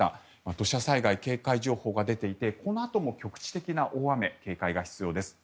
土砂災害警戒情報が出ていてこのあとも局地的な大雨警戒が必要です。